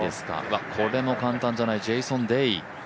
これも簡単じゃない、ジェイソン・デイ。